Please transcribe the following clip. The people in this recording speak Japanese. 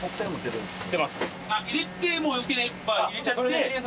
入れてもよければ入れちゃって。